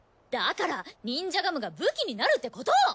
だからニンジャガムが武器になるってこと！